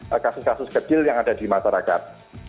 terhadap kasus kasus kecil yang ada di masyarakat